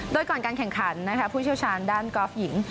โดยก่อนการแข่งขันนะคะผู้เชี่ยวชาญด้านกอล์ฟหญิง